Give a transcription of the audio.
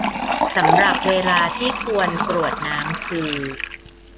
สำหรับเวลาที่ควรกรวดน้ำคือ